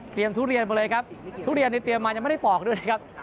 ทุเรียนมาเลยครับทุเรียนนี่เตรียมมายังไม่ได้ปอกด้วยครับ